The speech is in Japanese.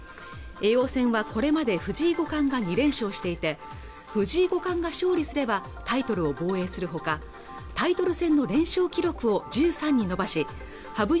王戦はこれまで藤井五冠が２連勝していて藤井五冠が勝利すればタイトルを防衛するほかタイトル戦の連勝記録を１３に伸ばし羽生